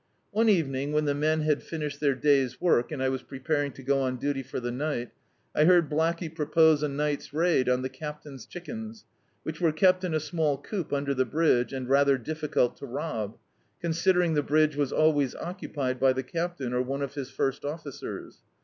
One evening, when the men had finished their day's work, and I was preparing to go on duty for the ni^t, I heard Blacky propose a ni^t's raid on the captain's chickens, which were kept in a small coop under the bridge, and rather difficult to rob, considering the bridge was always occupied by the captain or one of his first officers.